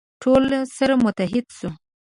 ټول سره متحد سو.